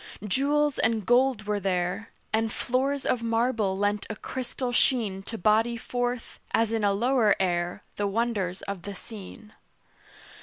Jewels and gold were there; And floors of marble lent a crystal sheen To body forth, as in a lower air, The wonders of the scene.